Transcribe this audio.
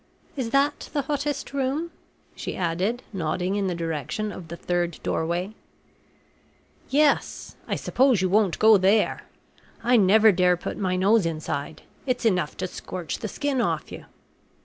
Is that the hottest room?" she added, nodding in the direction of the third doorway. "Yes. I suppose you won't go there? I never dare put my nose inside. It's enough to scorch the skin off you."